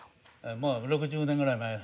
もう６０年ぐらい前の。